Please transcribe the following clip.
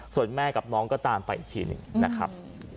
ส่วนแม่กับน้องก็ตามไปอีกทีหนึ่งนะครับ